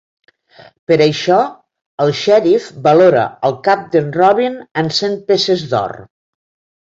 Per això el xèrif valora el cap d'en Robin en cent peces d'or.